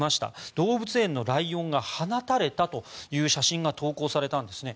動物園のライオンが放たれたという写真が投稿されたんですね。